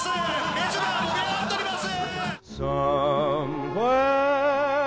目白は盛り上がっております！